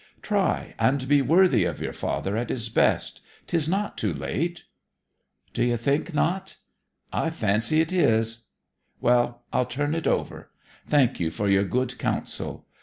'Try and be worthy of your father at his best. 'Tis not too late.' 'D'ye think not? I fancy it is! ... Well, I'll turn it over. Thank you for your good counsel.